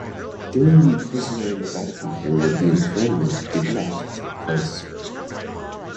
During the "prisoner in the Vatican" period, the enthronement did not take place.